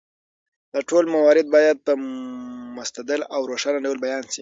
دا ټول موارد باید په مستدل او روښانه ډول بیان شي.